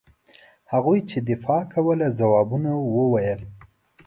هغوی چې دفاع کوله ځوابونه وویل.